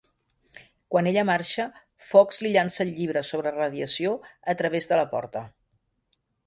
Quan ella marxa, Fox li llança el llibre sobre radiació a través de la porta.